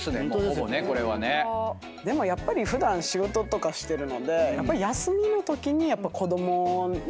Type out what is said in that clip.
でもやっぱり普段仕事とかしてるので。